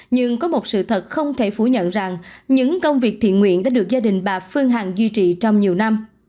nhưng có một sự thật không thể phủ nhận rằng những công việc thiện nguyện đã được gia đình bà phương hằng duy trì trong nhiều năm